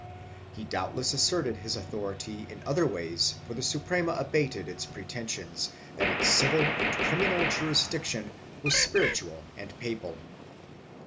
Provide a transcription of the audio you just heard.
He doubtless asserted his authority in other ways for the Suprema abated its preten sions that its civil and criminal jurisdiction was spiritual and papal.